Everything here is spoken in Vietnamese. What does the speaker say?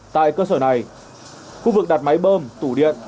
tại cơ sở này khu vực đặt máy bơm tủ điện